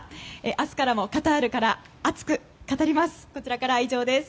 明日からもカタールから熱く語ります！